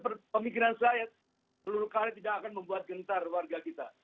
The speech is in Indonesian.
menurut pemikiran saya peluru karet tidak akan membuat gentar warga kita